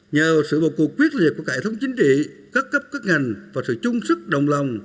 nhờ sự bột cuộc quyết liệt của cải thống chính trị các cấp các ngành và sự chung sức đồng lòng